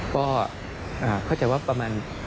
ก็เข้าใจว่าประมาณ